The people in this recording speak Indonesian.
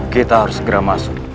kita harus segera masuk